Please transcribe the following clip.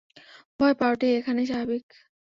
ভয় পাওয়াটাই এখানে স্বাভাবিক।